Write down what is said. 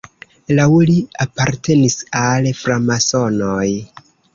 Laŭ li apartenis al framasonoj.